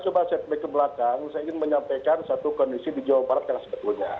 coba setback ke belakang saya ingin menyampaikan satu kondisi di jawa barat karena sebetulnya